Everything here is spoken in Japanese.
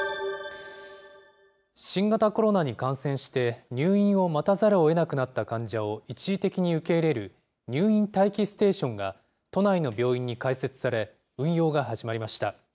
新型コロナに感染して入院を待たざるをえなくなった患者を一時的に受け入れる入院待機ステーションが、都内の病院に開設され、運用が始まりました。